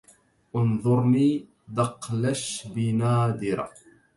أنذرني دقلش بنادرة